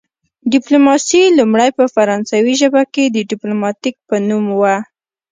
ډیپلوماسي لومړی په فرانسوي ژبه کې د ډیپلوماتیک په نوم وه